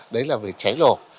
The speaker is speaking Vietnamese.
đấy là về cháy lột